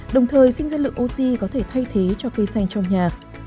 đồng thời sinh ra lượng oxy có thể thay thế cho cây xanh trong nhà